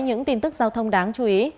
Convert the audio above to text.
những tin tức giao thông đáng chú ý